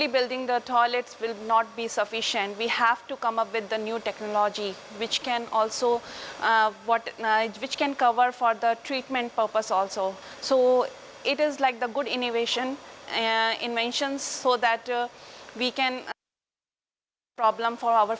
เป็นปัญหาให้นักวิจัยใหม่ให้นักวิจัยใหม่